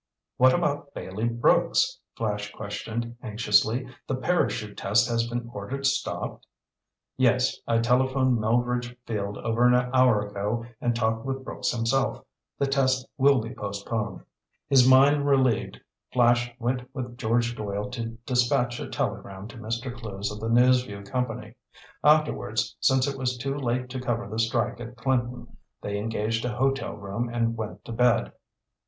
"What about Bailey Brooks?" Flash questioned anxiously. "The parachute test has been ordered stopped?" "Yes, I telephoned Melveredge Field over an hour ago and talked with Brooks himself. The test will be postponed." His mind relieved, Flash went with George Doyle to dispatch a telegram to Mr. Clewes of the News Vue Company. Afterwards, since it was too late to cover the strike at Clinton, they engaged a hotel room and went to bed.